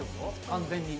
完全に。